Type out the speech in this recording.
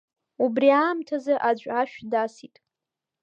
Убри аамҭазы аӡә ашә дасит.